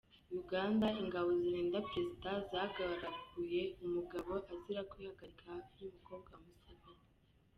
Uganda: Ingabo zirinda Perezida zagaraguye umugabo azira kwihagarika hafi y’umukobwa wa Museveni .